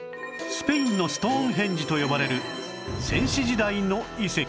スペインのストーンヘンジと呼ばれる先史時代の遺跡